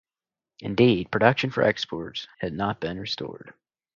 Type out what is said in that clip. Indeed, production for exports had not been restored.